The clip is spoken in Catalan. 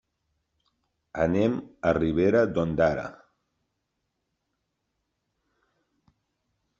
Anem a Ribera d'Ondara.